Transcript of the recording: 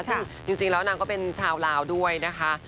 ซึ่งจริงแล้วนางก็เป็นชาวลาวด้วยนะคะ